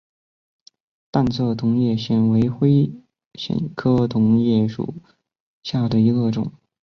淡色同叶藓为灰藓科同叶藓属下的一个种。